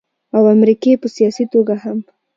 او امريکې په سياسي توګه هم